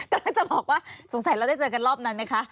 ก็จะบอกว่าสงสัยเราได้เจอกันรอบนั้นไหมคะ